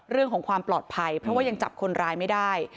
เรื่องของความปลอดภัยเพราะว่ายังจับคนร้ายไม่ได้